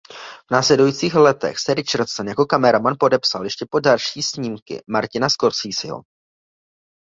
V následujících letech se Richardson jako kameraman podepsal ještě pod další snímky Martina Scorseseho.